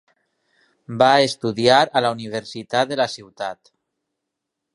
Va estudiar en la universitat de la ciutat.